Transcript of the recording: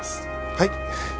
はい。